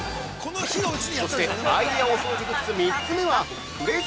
◆そして、アイデアお掃除グッズ